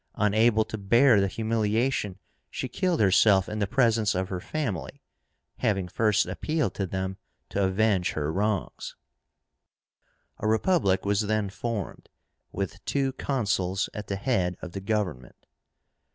Unable to bear the humiliation, she killed herself in the presence of her family, having first appealed to them to avenge her wrongs) A Republic was then formed, with two Consuls at the head of the government.